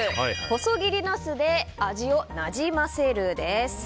細切りナスで味をなじませるです。